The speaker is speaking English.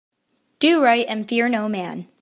Do right and fear no man.